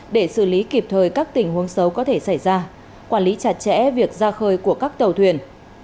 để xử lý kịp thời các tình huống xấu có thể xảy ra quản lý chặt chẽ việc ra khơi của các tàu thuyền